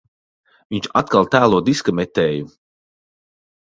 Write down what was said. Viņš atkal tēlo diska metēju.